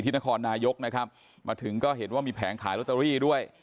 นครนายกนะครับมาถึงก็เห็นว่ามีแผงขายลอตเตอรี่ด้วย